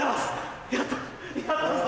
やったぞ！